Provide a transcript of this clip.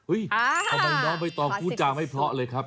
เอาให้น้องไปต่อคูตราไม่พอเลยครับ